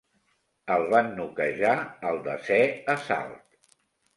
El van noquejar al desè assalt.